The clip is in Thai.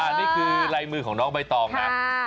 นี่คือลายมือของน้องใบตองนะ